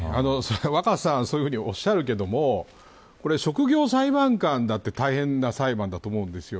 若狭さんは、そういうふうにおっしゃるけども職業裁判官だって大変な裁判だと思います。